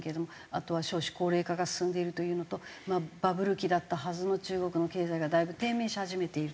あとは少子高齢化が進んでいるというのとバブル期だったはずの中国の経済がだいぶ低迷し始めているという。